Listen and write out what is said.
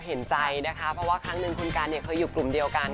เห็นใจนะคะเพราะว่าครั้งหนึ่งคุณกันเนี่ยเคยอยู่กลุ่มเดียวกัน